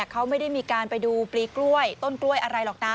เขาไม่ได้มีการไปดูปลีกล้วยต้นกล้วยอะไรหรอกนะ